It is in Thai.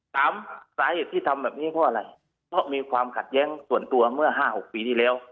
สามสาเหตุที่ทำแบบนี้เพราะอะไรเพราะมีความขัดแย้งส่วนตัวเมื่อห้าหกปีที่แล้ว